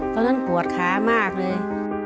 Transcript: ตอนนั้นปวดขามากเลย